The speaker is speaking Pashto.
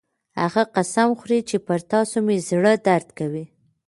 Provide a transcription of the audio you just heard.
هغه قسم خوري چې پر تاسو مې زړه درد کوي